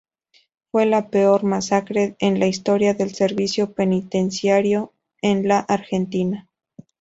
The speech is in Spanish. Fue la peor masacre en la historia del Servicio Penitenciario en la Argentina.